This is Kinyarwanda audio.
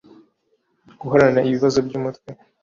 guhorana ibibazo by’umutwe